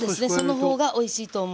そのほうがおいしいと思う。